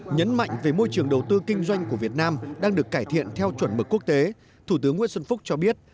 nhấn mạnh về môi trường đầu tư kinh doanh của việt nam đang được cải thiện theo chuẩn mực quốc tế thủ tướng nguyễn xuân phúc cho biết